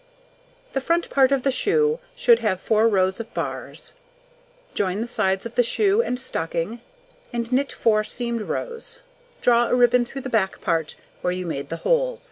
The front part of the shoe should have 4 rows of bars; join the sides of the shoe and stocking, and knit 4 seamed rows; draw a ribbon through the back part where you made the holes.